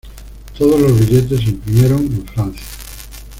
Todos los billetes se imprimieron en Francia.